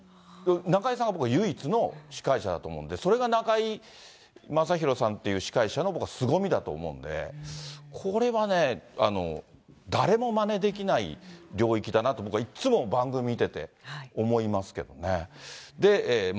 中居さんが僕は唯一の司会者だと思うんで、それが中居正広さんっていう司会者の僕はすごみだと思うんで、これはね、誰もまねできない領域だなと、僕はいっつも、番組見てて思いますけどね。